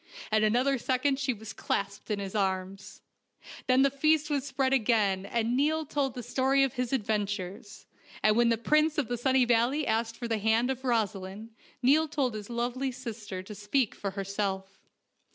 In another second she was clasped in his arms. Then the feast was spread again, and Niall told the story of his adventures; and when the Prince of the Sunny Valley asked for the hand of Rosaleen, Niall told his lovely sister to speak for herself.